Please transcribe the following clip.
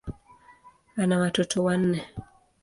Ana watoto wanne.